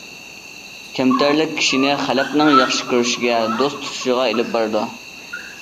كەمتەرلىك كىشىنى خەلقنىڭ ياخشى كۆرۈشىگە، دوست تۇتۇشىغا ئېلىپ بارىدۇ.